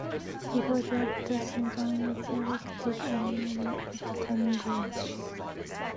Before that, the Secretary was elected annually at Congress.